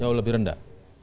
jauh lebih rendah